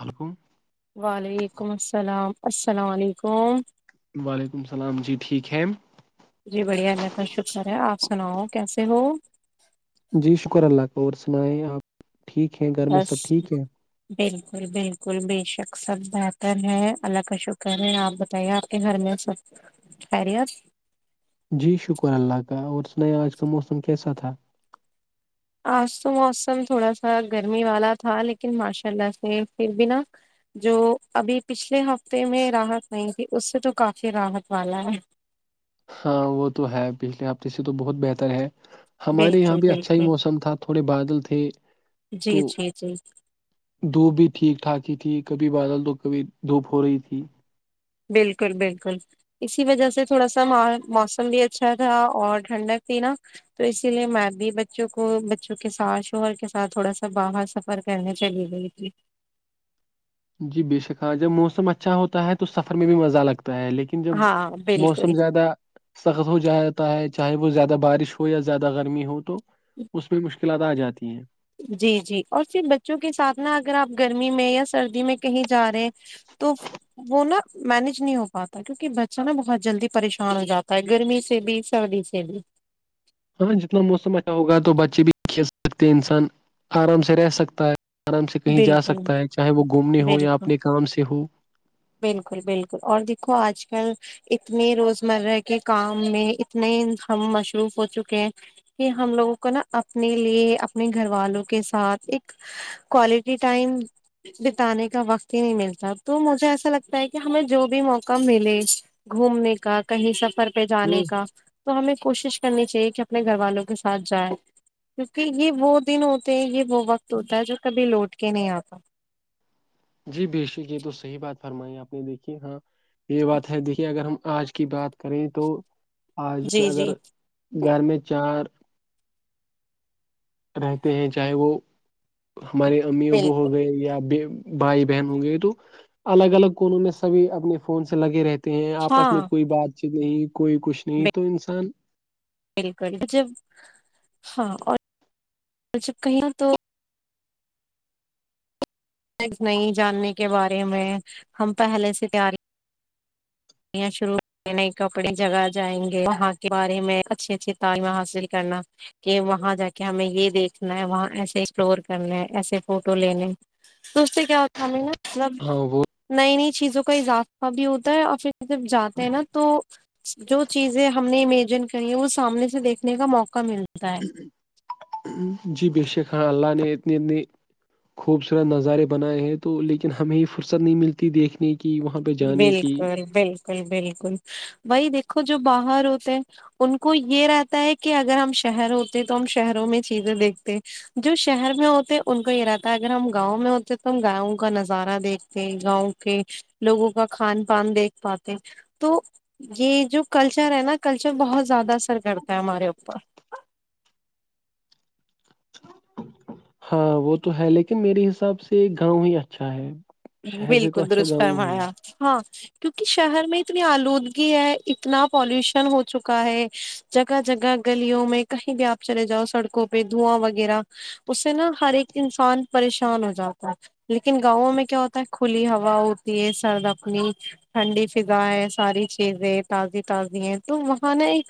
hello وعلیکم السلام السلام علیکم وعلیکم السلام جی ٹھیک ہے جی بڑھیا اللہ کا شکر ہے آپ سناؤ کیسے ہو جی شکر اللہ کا اور سنائ آپ ٹھیک ہے گھر میں بس سب ٹھیک ہے بالکل بالکل بے شک سب بہتر ہے اللہ کا شکر ہے آپ بتائیے آپ کے گھر میں سب خیریت جی شکر اللہ کا اور سنا آج کا موسم کیسا تھا آج تو موسم تھوڑا سا گرمی والا تھا لیکن ماشاء اللہ سے پھر بھی نا جو ابھی پچھلے ہفتے میں راحت نہیں تھی اس سے تو کافی راحت والا ہے ہاں وہ تو ہے پچھلے ہفتے سے تو بہت بہتر ہے ہمارے یہاں بالکل بھی اچھاہی بالکل موسم تھا تھوڑے بادل تھے جی تو جی جی دھوپ بھی ٹھیک ٹھاک ہی تھی کبھی بادل تو کبھی دھوپ ہو رہی تھی بالکل بالکل اسی وجہ سے تھوڑا سا موسم بھی اچھا تھا اور ٹھنڈک تھی نا تو اسی لیے میں بھی بچوں کو بچوں کے ساتھ شوہر کے ساتھ تھوڑا سا باہر سفر کرنے چلے گئی تھی جی بے شک ہاں جب موسم اچھا ہوتا ہے تو سفر میں بھی مزہ لگتا ہے لیکن جب ہاں بالکل موسم زیادہ سخت ہو جاتا ہے چاہے وہ زیادہ بارش ہو یا زیادہ گرمی ہو تو اس میں مشکل کلات آ جاتی ہیں جی جی اور پھر بچوں کے ساتھ ن اگر آپ گرمی میں یا سردی میں کہیں جا رہے ہیں تو وہ نا مینج نہیں ہو پاتا کیونکہ بچہ نا بہت جلدی پریشان ہو جاتا ہے گرمی سے بھی سردی سے بھی ہاں جتنا موسم اچھا ہوگا تو بچے بھی کھیل سکتے ہیں انسان آرام سے رہ سکتا ہے آرام سے کہیں جا بالکل سکتا ہے چاہے وہ گھومنے ہو یا بالکل اپنے کام سے ہو بالکل بالکل اور دیکھو آج کل اتنے روزمرہ کے کام میں اتنے ہم مصروف ہو چکے ہیں کہ ہم لوگوں کو نا اپنے لیے اپنے گھر والوں کے ساتھ ایک کوالٹی ٹائم بتانے کا وقت ہی نہیں ملتا تو مجھے ایسا لگتا ہے کہ ہمیں جو بھی موقع ملے گھومنے کا کہیں سفر پہ جانے ہوں کا تو ہمیں کوشش کرنی چاہیے کہ اپنے گھر والوں کے ساتھ جائیں کیونکہ یہ وہ دن ہوتے ہیں یہ وہ وقت ہوتا ہے جو کبھی لوٹ کے نہیں آتا جی بے شک یہ تو صحیح بات فرمائی آپ نے دیکھی ہاں یہ بات ہے دیکھیے اگر ہم آج کی بات کریں تو آج جی جی اگر گھر میں چار رہتے ہیں چاہے وہ ہمارے امی ابو بالکل ہو گئے یا بے بھائی بہن ہوں گئے تو الگ الگ کونوں میں سبھی اپنے فون سے لگے رہتے ہیں آپس میں ہاں کوئی بات چیت نہیں کوئی کچھ نہیں تو انسان بالکل جب ہاں اور جب کہی تو نہیں جاننے کے بارے میں ہم پہلے سے تیاری یہاں شروع نئے نئے کپڑے جگا جائیں گے یہاں کے بارے میں اچھی اچھی تعلیم حاصل کرنا کہ وہاں جا کے ہمیں یہ دیکھنا ہے وہاں ایسے ایکسپلور کرنے ہے ایسے فوٹو لینے تو اسے کیا ہوتا ہم نا مطلب ہاں وہ نئی نئی چیزوں کا اضافہ بھی ہوتا ہے اور پھر جب جاتے ہیں نا تو جو چیزیں ہم نے امیجن کری ہے وہ سامنے سے دیکھنے کا موقع ملتا ہے جی بے شک ہاں اللہ نے انیتنی خوبصورت نظارے بنائے ہیں تو لیکن ہمیں یہ فرصت نہیں ملتی دیکھنے کی وہاں پہ جانے کی بالکل بالکل بالکل بائی دیکھو جو باہر ہوتے ہیں ان کو یہ رہتا ہے کہ اگر ہم شہر ہوتے ہیں تو ہم شہروں میں چیزیں دیکھتے جو شہر میں ہوتے ان کو یہ رہتا ہے اگر ہم گاؤں میں ہوتے تو ہم گاؤں کا نظارہ دیکھتے گاؤں کہ لوگوں کا کھان پان دیکھ پاتے تو یہ جو کلچر ہے نا کلچر بہت زیادہ اثر کرتا ہے ہمارے اوپر ہاں وہ تو ہے لیکن میرے حساب سے گاؤں ہی اچھا ہے شہر سے تو بالکل اچھا درس گاؤں ہی ہے فرمایا ہاں کیونکہ شہر میں اتنی آلودگی ہے اتنا پالوشن ہو چکا ہے جگہ جگہ گلیوں میں کہیں بھی آپ چلے جاؤ سڑکوں پہ دھواں وغیرہ اس سے نا ہر ایک انسان پریشان ہو جاتا ہے لیکن گاؤوں میں کیا ہوتا کھلی ہوا ہوتی ہے سرد اپنی ٹھنڈی فضا ہے ساری چیزیں تازی تازی ہے تو وہاں نا ایک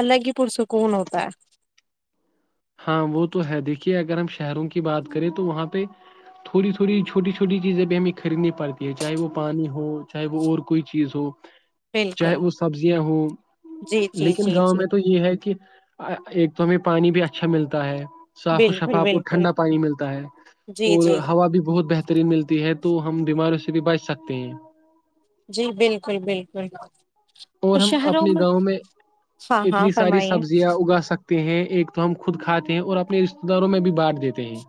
الگ ہی پرسکون ہوتا ہے ہاں وہ تو ہے دیکھیے اگر ہم شہروں کی بات کریں تو وہاں پہ تھوڑی تھوڑی چھوٹی چھوٹی چیزیں بھی ہمیں خریدنی پڑتی ہے چاہے وہ پانی ہو چاہے وہ اور کوئی چیز ہو بالکل چاہے وہ سبزیاں ہووں جی جی لیکن جی گاؤں جی میں تو یہ ہے کہ ایک تو ہمیں پانی بھی اچھا ملتا ہے صاف و بالکل شفاف اور بالکل ٹھنڈا پانی ملتا ہے جی اور جی ہوا بھی بہت بہتر ری ملتی ہے تو ہم بیماریوں سے بھی بچ سکتے ہیں جی بالکل بالکل اور ہم اپنی گاؤں میں ہاں ہاں اتنی ساری فرمائیے سبزیاں اگا سکتے ہیں ایک تو ہم خود کھاتے ہیں اور اپنے رشتے داروں میں بھی بانٹ دیتے ہیں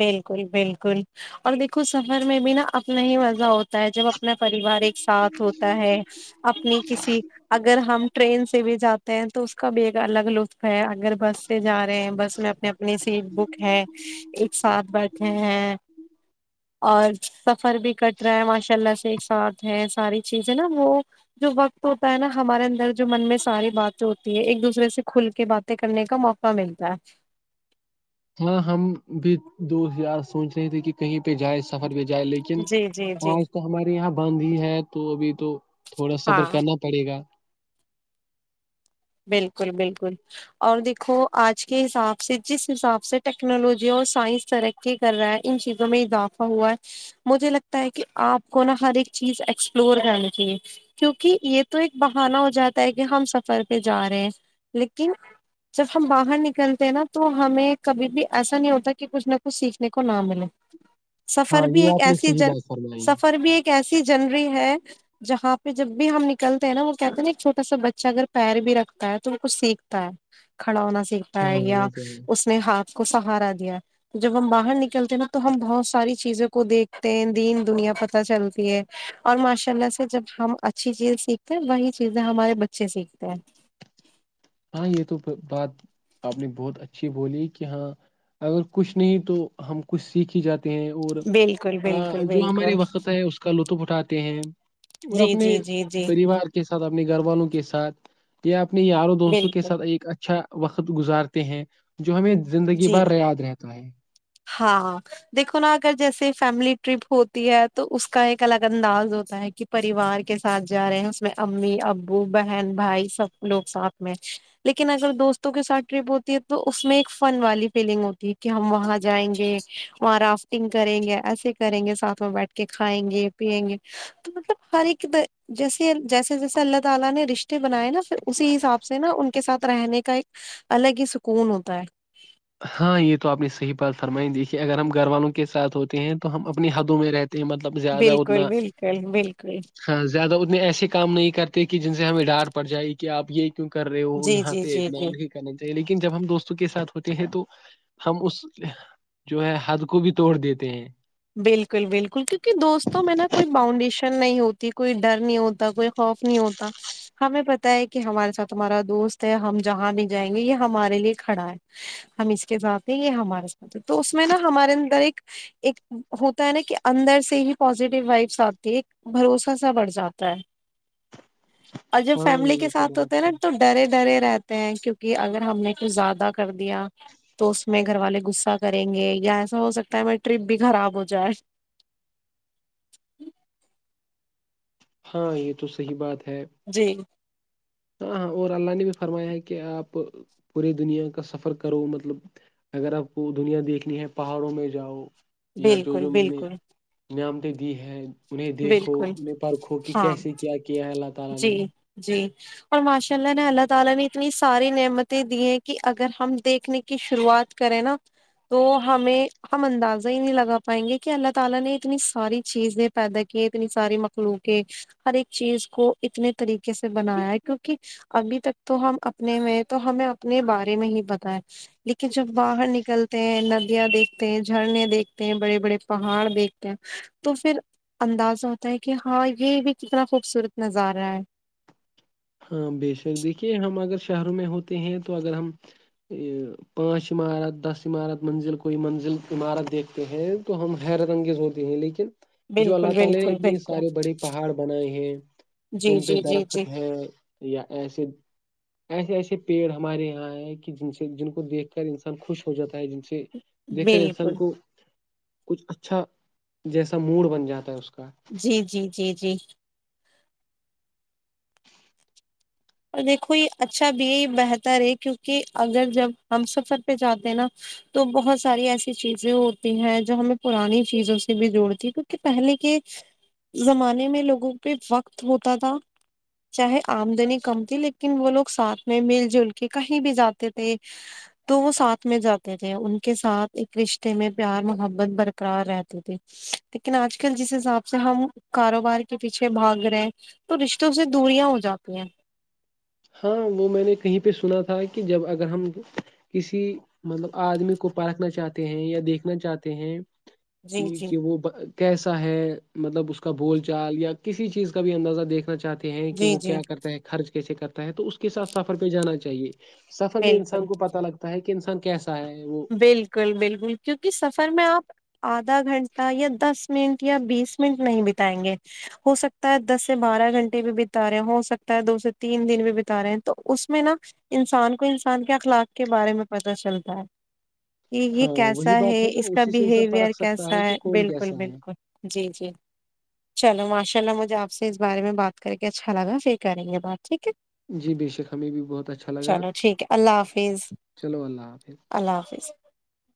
بالکل بالکل اور دیکھو سفر میں بھی نا اپنا ہی مزہ ہوتا ہے جب اپنا پریوار ایک ساتھ ہوتا ہے اپنی کسی اگر ہم ٹرین سے بھی جاتے ہیں تو اس کا بھی ایک الگ لطف ہے اگر بس سے جا رہے ہیں بس میں اپنے اپنی سیٹ بک ہے ایک ساتھ بیٹھے ہیں اور سفر بھی کٹ رہا ہے ماشاء اللہ سے ایک ساتھ ہے ساری چیزیں نا وہ جو وقت ہوتا ہے نا ہمارے اندر جو من میں ساری باتیں ہوتی ہے ایک دوسرے سے کھل کے بات کرنے کا موقع ملتا ہے ہاں ہم بھی دوست یار سوچ رہے تھے کہ کہیں پہ جائے سفر پہ جائے لیکن ہے جی جی لیکن جی آج تو ہمارے یہاں بند ہی ہے تو ابھی تو تھوڑا صبر ہاں کرنا پڑے گا بالکل بالکل اور دیکھو آج کے حساب سے جس حساب سے ٹیکنالوجی اور سائنس ترکی کر رہا ہے ان چیزوں میں اضافہ ہوا ہے مجھے لگتا ہے کہ آپ کو نا ہر ایک چیز ایکسپلور کرنی چاہیے کیونکہ یہ تو ایک بہانہ ہو جاتا ہے کہ ہم سفر پہ جا رہے ہیں لیکن جب ہم باہر نکلتے ہیں نا تو ہمیں کبھی بھی ایسا نہیں ہوتا کہ کچھ نہ کچھ سیکھنے کو نہ ملے ہاں سفر بھی یہ ایک آپ نے ایسی صحیح جن بات فرمائی سفر بھی ایک ایسی جنری ہے جہاں پہ جب بھی ہم نکلتے ہیں نا وہ کہتے ہیں نا ایک چھوٹا سا بچہ اگر پیر بھی رکھتا ہے تو وہ کچھ سیکھتا ہے کھڑا ہونا سیکھتا ہے ہاں یا وہ تو ہے اس اپنے ہاتھ کو سہارا دیا جب ہم باہر نکلتے ہیں نا تو ہم بہت ساری چیزوں کو دیکھتے ہیں دین دنیا پتہ چلتی ہے اور ماشاء اللہ سے جب ہم اچھی چیز سیکھتے ہیں وہی چیزیں ہمارے بچے سیکھتے ہیں ہاں یہ تو بات آپ نے بہت اچھی بولی کہ ہاں اگر کچھ نہیں تو ہم کچھ سیکھ ہی جاتے ہیں اور بالکل بالکل جو ہمارے بالکل وقت ہے اس کا لطف اٹھاتے ہیں اور جی اپنے جی جی جی پریوار کے ساتھ اپنے گھر والوں کے سات یا اپنے یاروں دوستوں کے بالکل سات ایک اچھا وقت گزارتے ہیں جو ہمیں زندگی جی بھر یاد رہتا ہے ہاں دیکھو نا اگر جیسے فیملی ٹرپ ہوتی ہے تو اس کا ایک الگ انداز ہوتا ہے کہ پریوار کے ساتھ جا رہے ہیں اس میں امی ابو بہن بھائی سب لوگ ساتھ میں لیکن اگر دوستوں کے ساتھ ٹرپ ہوتی ہے تو اس میں ایک فن والی فیلنگ ہوتی ہے کہ ہم وہاں جائیں گے وہاں رافٹنگ کریں گے ایسے کریں گے ساتھ میں بیٹھ کہ کھائیں گے پیئیں گے تو مطلب ہر ایک جیسے جیسے جیسے اللہ تعالی نے رشتے بنائے نا پھر اسی حساب سے نا ان کے ساتھ رہنے کا ایک الگ ہی سکون ہوتا ہے ہاں یہ تو آپنی صحیح بات فرمائی دیکھیے اگر ہم گھر والوں کے ساتھ ہوتے ہیں تو ہم اپنی حدوں میں رہتے ہیں مطلب زیادہ بالکل اتنا بالکل بالکل ہاں زیادہ اتنے ایسے کام نہیں کرتے کہ جن سے ہمیں ڈانٹ پڑ جائے کہ آپ یہ کیوں کر رہے ہو جی یہاں جی پہ جی اتنا جی نہیں کرنا چاہیے لیکن جب ہم دوستوں کے ساتھ ہوتے ہیں تو ہم اس جو ہے حد کو بھی توڑ دیتے ہیں بالکل بالکل کیونکہ دوستوں میں نا کوئی باؤنڈیشن نہیں ہوتی کوئی ڈر نہیں ہوتا کوئی خوف نہیں ہوتا ہمیں پتہ ہے کہ ہمارے ساتھ تمہارا دوست ہے ہم جہاں بھی جائیں گے یہ ہمارے لیے کھڑا ہے ہم اس کے ساتھ ہیں یہ ہمارے ساتھ ہے تو اس میں نا ہمارے اندر ایک ایک ہوتا ہے نا کہ اندر سے ہی پزیٹیو وائبس آتی بھروسہ سا بڑھ جاتا ہے اور جب ہاں فیملی کے یہ تو ساتھ ہوتے ہیں بات نا ہے تو ڈرے ڈرے رہتے ہیں کیونکہ اگر ہم نے کچھ زیادہ کر دیا تو اس میں گھر والے غصہ کریں گے یا ایسا ہو سکتا ہے مے ٹرپ بھی خراب ہو جائے ہاں یہ تو صحی بات ہے جی ہاں ہاں اور اللہ نے بھی فرمایا ہے کہ آپ پورے دنیا کا سفر کرو مطلب اگر آپ کو دنیا دیکھنی ہے پہاڑوں میں جاؤ یا جو بالکل جو میں نے بالکل نعمتیں دی ہیں انہیں دیکھو بالکل انہیں پرکھو کہ ہاں کیسے کیا کیا حالت جی جی اور ماشاء اللہ نے اللہ تعالی نے اتنی ساری نعمتیں دی ہیں کہ اگر ہم دیکھنے کی شروعات کرے نا تو ہمیں ہم اندازہ ہی نہیں لگا پائیں گے کہ اللہ تعالی نے اتنی ساری چیزیں پیدا کیے اتنی ساری مخلوق ہر ایک چیز کو اتنے طریقے سے بنایا ہے کیونکہ ابھی تک تو ہم اپنے میں تو ہمیں اپنے بارے میں ہی پتا ہے لیکن جب باہر نکلتے ہیں ندیاں دیکھتے ہیں جھرنے دیکھتے ہیں بڑے بڑے پہاڑ دیکھتے ہیں تو پھر اندازہ ہوتا ہے کہ ہاں یہ بھی کتنا خوبصورت نظارہ ہے ہاں بےشک دیکھیے ہم اگر شہروں میں ہوتے ہیں تو اگر ہم یہ پانچ عمارت دس عمارت منزل کو یہ منزل عمارت دیکھتے ہے تو ہم حیرت انگیز ہوتے ہیں لیکن جو بالکل اللہ تعالی نے بالکل اتنی بالکل سارے بڑے پہاڑ بنائے ہیں جی ان پہ جی جی جی درخت ہے یا ایسے ایسے ایسے پیڑ ہمارے یہاں ہے کہ جن سے جن کو دیکھ کر انسان خوش ہو جاتا ہے جن سے کہ دیکھ کر انسان بالکل کو کچھ اچھا جیسا موڈ بن جاتا ہے اس کا جی جی جی جی اور دیکھو یہ اچھا بھی ہے یہ بہتر ہے کیونکہ اگر جب ہم سفر پہ جاتے ہیں نا تو بہت ساری ایسی چیزیں ہوتی ہیں جو ہمیں پرانی چیزوں سے بھی جوڑتی کیونکہ پہلے کے زمانے میں لوگوں پہ وقت ہوتا تھا چاہے آمدنی کم تھی لیکن وہ لوگ ساتھ میں مل جل کے کہیں بھی جاتے تھے تو وہ ساتھ میں جاتے تھے ان کے ساتھ ایک رشتے میں پیار محبت برقرار رہتی تھی لیکن آج کل جس حساب سے ہم کاروبار کے پیچھے بھاگ رہے تو رشتوں سے دوریاں ہو جاتی ہیں ہاں وہ میں نے کہیں پہ سنا تھا کہ جب اگر ہم کسی مطلب آدمی کو پرکھنا چاہتے ہیں یا دیکھنا چاہتے ہیں جی یہ جی کہ وہ کیسا ہے مطلب اس کا بول چال یا کسی چیز کا بھی اندازہ دیکھنا چاہتے ہیں کہ جی وہ جی کیا کرتا ہے خرچ کیسے کرتا ہے تو اس کے ساتھ سفر پہ جانا چاہیے سفر میں بالکل انسان کو پتا لگتا ہے کہ انسان کیسے بالکل بالکل کیونکہ سفر میں آپ آدھا گھنٹہ یا دس منٹ یا بیس منٹ نہیں بتائیں گے ہو سکتا ہے دس سے بارہ گھنٹے بھی بتا رہے ہیں ہو سکتا ہے دو سے تین دن بھی بتا رہے ہیں تو اس میں نا انسان کو انسان کے اخلاق کے بارے میں پتہ چلتا ہے کہ یہ ہاں وہی کیسا ہے بات نا اس کا اسی سے انسان بیہیوئیر پرکھ سکتا کیسا ہے کہ کون بالکل کیسا بالکل ہے جی جی چلو ماشاء اللہ مجھے آپ سے اس بارے میں بات کر کے اچھا لگا پھر کریں گے بات ٹھیک ہے جی بے شک ہمیں بھی بہت اچھا لگا چلو ٹھیک ہے اللہ حافظ چلو اللہ حافظ اللہ حافظ